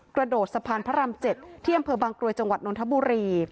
กระโดดสะพานพระราม๗ที่อำเภอบางกรวยจังหวัดนทบุรี